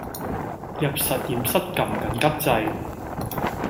入實驗室㩒緊急掣